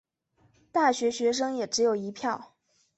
大学学生也只有一票